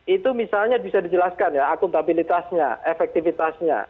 itu misalnya bisa dijelaskan ya akuntabilitasnya efektivitasnya